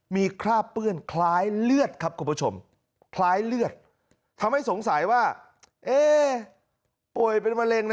มีคราบเปื้อนคล้ายเลือดครับคุณผู้ชมคล้ายเลือดทำให้สงสัยว่าเอ๊ป่วยเป็นมะเร็งนะ